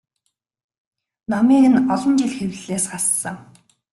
Номыг нь олон жил хэвлэлээс хассан.